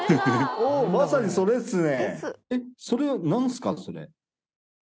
まさにそれっすね！